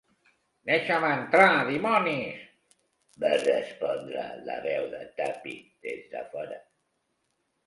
"Deixa'm entrar, dimonis!" va respondre la veu de Tuppy des de fora.